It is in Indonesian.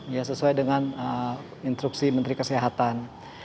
ya sesuai dengan instruksi menteri kesehatan